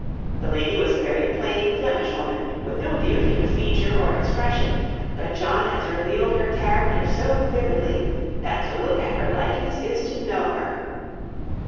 The lady was a very plain Flemish woman with no beauty of feature or expression, but John has revealed her character so vividly that to look at her likeness is to know her.